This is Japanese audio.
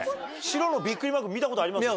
白のビックリマーク見たことあります？